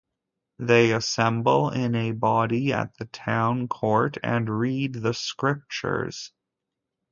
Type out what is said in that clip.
They assemble in a body at the Town Court and read the scriptures.